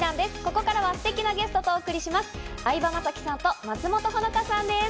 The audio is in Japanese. ここからはすてきなゲストとお送りします。